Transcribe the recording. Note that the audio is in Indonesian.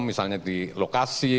misalnya di lokasi